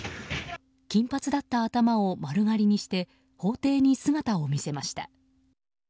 金髪だった頭を丸刈りにして法廷に姿を見せました。